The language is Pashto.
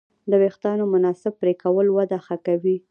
د وېښتیانو مناسب پرېکول وده ښه کوي.